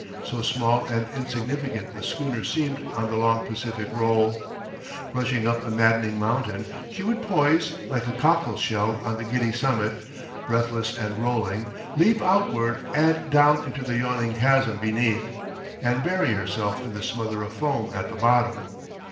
So small and insignificant the schooner seemed on the long Pacific roll! Rushing up a maddening mountain, she would poise like a cockle shell on the giddy summit, breathless and rolling, leap outward and down into the yawning chasm beneath, and bury herself in the smother of foam at the bottom.